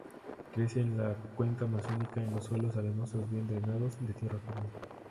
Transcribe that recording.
Crece en la cuenca Amazónica en suelos arenosos bien drenados, de "tierra firme".